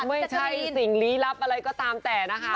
ไม่ใช่สิ่งลี้ลับอะไรก็ตามแต่นะคะ